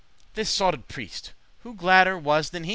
This sotted* priest, who gladder was than he?